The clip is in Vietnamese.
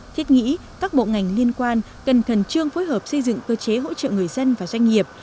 thiết nghĩ các bộ ngành liên quan cần khẩn trương phối hợp xây dựng cơ chế hỗ trợ người dân và doanh nghiệp